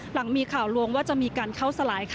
หลังมีข่าวลวงว่าจะมีการเข้าสลายค่ะ